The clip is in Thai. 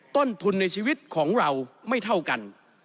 ต้นทุนในชีวิตของเราไม่เท่ากัน